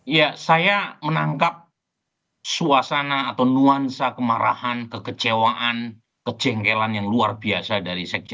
ya saya menangkap suasana atau nuansa kemarahan kekecewaan kejengkelan yang luar biasa dari sekjen